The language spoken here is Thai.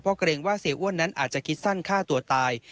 เพราะเกรงว่าเสียอ้วนนั้นอาจจะคิดสั้นฆ่าตัวตาย